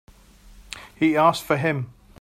He asked for him.